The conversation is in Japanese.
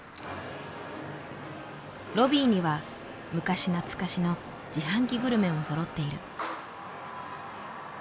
ロビーには昔懐かしの自販機グルメもそろっている。